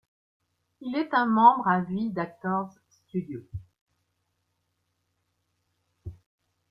Il est un membre à vie d'Actors Studio.